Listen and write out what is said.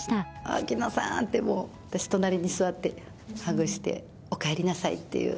秋野さーんって、私、隣に座ってハグして、お帰りなさいっていう。